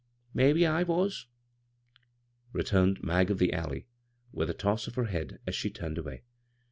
" Mebbe I was," returned " Mag of the Al ley " with a toss of her head as she turned away.